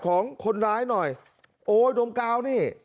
ของคนร้ายหน่อยโอ้ยดมกาวนี่